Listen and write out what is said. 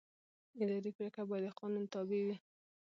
اداري پرېکړه باید د قانون تابع وي.